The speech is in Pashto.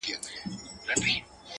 o په زړه کي مي خبري د هغې د فريادي وې؛